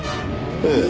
ええ。